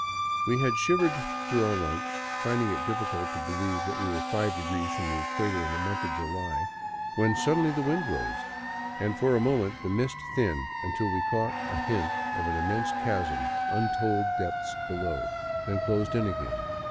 We had shivered through our lunch, finding it difficult to believe that we were five degrees from the equator in the month of July, when suddenly the wind rose, and for a moment the mist thinned until we caught a hint of an immense chasm untold depths below; then closed in again.